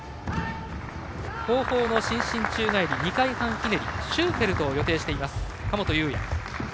後方の伸身宙返り２回半ひねりシューフェルトを予定しています。